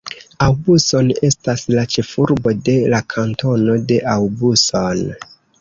Aubusson estas la ĉefurbo de la kantono de Aubusson.